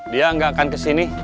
dia gak akan kesini